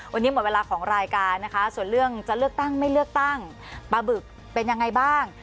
วันนี้หมดเวลาของรายการนะคะส่วนเรื่องจะเลือกตั้งไม่เลือกตั้งปลาบึกเป็นยังไงบ้าง